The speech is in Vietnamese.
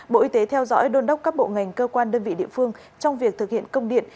bộ y tế theo dõi đôn đốc các bộ ngành cơ quan đơn vị địa phương trong việc thực hiện công điện